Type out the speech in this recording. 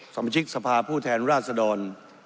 สมาชิกสภาพผู้แทนราชดร